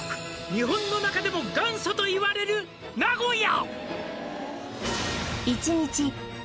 日本の中でも元祖といわれる名古屋」